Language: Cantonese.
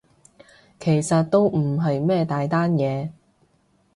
其實都唔係咩大單嘢